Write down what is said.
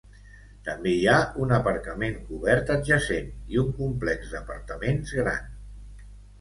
També hi ha un aparcament cobert adjacent i un complex d'apartaments gran.